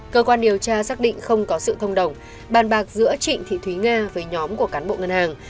cơ quan điều tra xác định không có sự thông đồng bàn bạc giữa trịnh thị thúy nga với nhóm của cán bộ ngân hàng